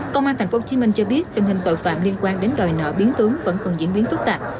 công an tp hcm cho biết tình hình tội phạm liên quan đến đòi nợ biến tướng vẫn còn diễn biến phức tạp